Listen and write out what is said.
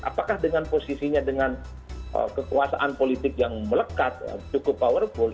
apakah dengan posisinya dengan kekuasaan politik yang melekat cukup powerful